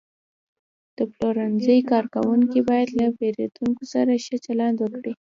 د پلورنځي کارکوونکي باید له پیرودونکو سره ښه چلند وکړي.